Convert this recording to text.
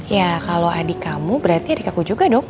ya kalau adik kamu berarti adik aku juga dok